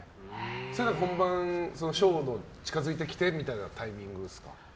本番、ショーが近づいてきてみたいなタイミングですか？